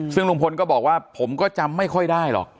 ซึ่งลุงพลก็บอกว่าผมก็จำไม่ค่อยได้หรอก